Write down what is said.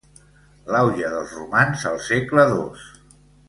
L'auge dels romans al segle dos.